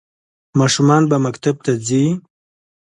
ماشومان به مکتب ته ځي؟